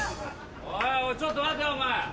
・おいおいちょっと待てお前。